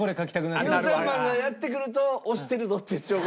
いのちゃんまんがやって来ると押してるぞって証拠。